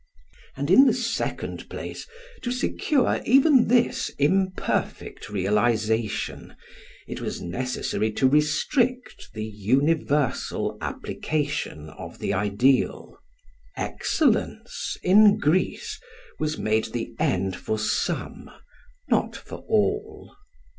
And, in the second place, to secure even this imperfect realisation, it was necessary to restrict the universal application of the ideal. Excellence, in Greece, was made the end for some, not for all.